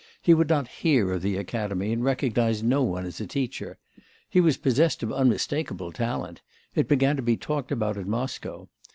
He would not hear of the Academy, and recognised no one as a teacher. He was possessed of unmistakeable talent; it began to be talked about in Moscow.